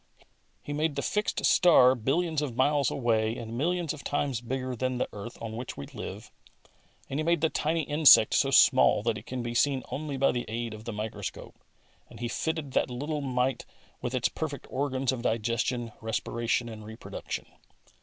He made the fixed star billions of miles away and millions of times bigger than the earth on which we live, and He made the tiny insect so small that it can be seen only by the aid of the microscope, and He fitted that little mite with its perfect organs of digestion, respiration and reproduction.